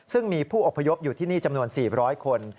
ซึ่งมีผู้อพยพอยู่ที่นี่จำนวน๔๐๐คน